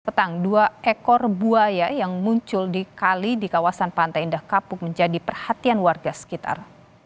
petang dua ekor buaya yang muncul di kali di kawasan pantai indah kapuk menjadi perhatian warga sekitar